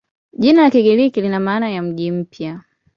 Jina la Kigiriki lina maana ya "mji mpya".